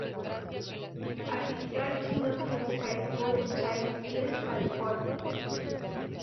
Asistió al Chino Hills High School en Chino Hills, California.